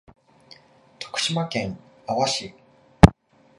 徳島県阿波市